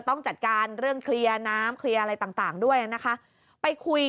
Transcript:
ต้องจัดการเรื่องเคลียร์น้ำเคลียร์อะไรต่างด้วยนะคะไปคุย